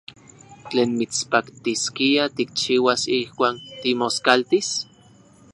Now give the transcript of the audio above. ¿Tlen mitspaktiskia tikchiuas ijkuak timoskaltis?